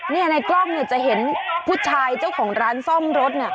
นี่ในกล้องจะเห็นผู้ชายเจ้าของร้านซ่อมรถ